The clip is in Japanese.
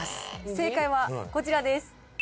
正解はこちらです。